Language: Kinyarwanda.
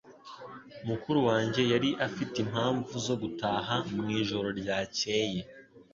Mukuru wanjye yari afite impamvu zo gutaha mu ijoro ryakeye.